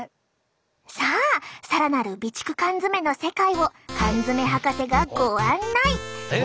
さあ更なる備蓄缶詰の世界を缶詰博士がご案内！